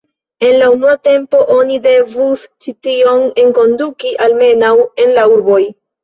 En la unua tempo oni devus ĉi tion enkonduki almenaŭ en la urboj.